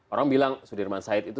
orang bilang sudirman said itu